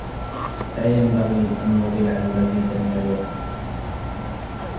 لا ينبغي أن نضيع المزيد من الوقت.